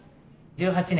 １８年